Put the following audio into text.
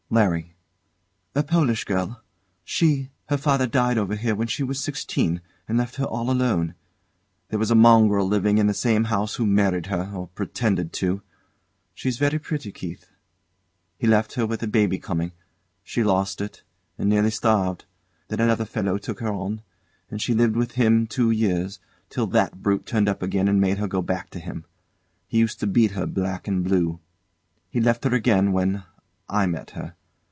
LARRY. A Polish girl. She her father died over here when she was sixteen, and left her all alone. There was a mongrel living in the same house who married her or pretended to. She's very pretty, Keith. He left her with a baby coming. She lost it, and nearly starved. Then another fellow took her on, and she lived with him two years, till that brute turned up again and made her go back to him. He used to beat her black and blue. He'd left her again when I met her.